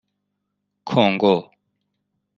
کنگو